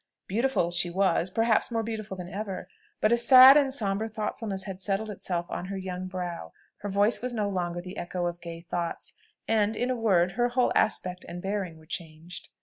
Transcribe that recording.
Beautiful she was, perhaps more beautiful than ever; but a sad and sombre thoughtfulness had settled itself on her young brow, her voice was no longer the echo of gay thoughts, and, in a word, her whole aspect and bearing were changed.